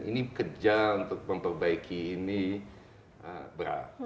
ini kerja untuk memperbaiki ini berat